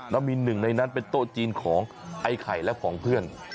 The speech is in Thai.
แล้วมีหนึ่งในนั้นเป็นโต๊ะจีนของไอ้ไข่และของเพื่อน